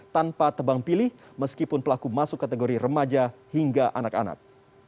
tanpa tebang pilih meskipun pelaku masuk kategori remaja hingga anak anak